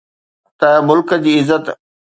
نه ملڪ جي عزت.